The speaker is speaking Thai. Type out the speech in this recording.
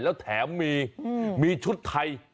แล้วแถมมีชุดไทย